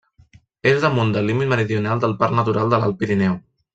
És damunt del límit meridional del Parc Natural de l'Alt Pirineu.